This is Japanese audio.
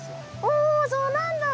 おそうなんだ。